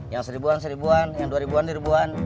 yang seribuan seribuan yang dua ribuan ribuan